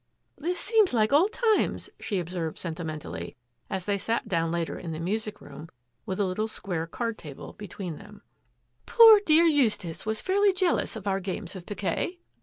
" This seems like old times," she observed senti mentally, as they sat down later in the music room with a little square card table between them. A GAME OF PIQUET 149 "Poor dear Eustace was fairly jealous of our games of piquet.'